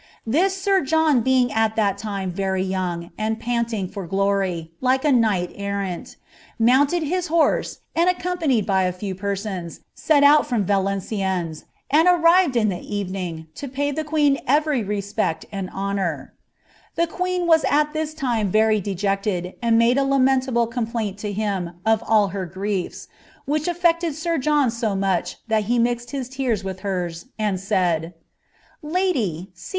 This sir John being ai thai liM ( very young, and panting for glory, like a knight errant, inounied Im ^ horse, and, accompanieu by a few persons, set out from Valencienni* i and arrived in the evening to pay the queen every respect and honmif " The queen was at thu time very dejected, and made a lamentable ^ eomplainl to him of all her griefs ; which aflected air John so much llu' ' he mixed his tears with hera, and aaid : jtjimt 'Vim, ISABELLA OP PRANCB.